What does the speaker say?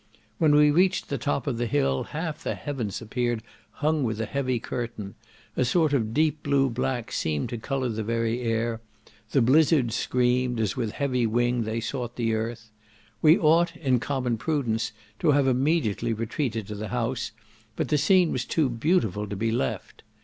When we reached the top of the hill half the heavens appeared hung with a heavy curtain; a sort of deep blue black seemed to colour the very air; the blizzards screamed, as with heavy wing they sought the earth. We ought, in common prudence, to have immediately retreated to the house, but the scene was too beautiful to be left.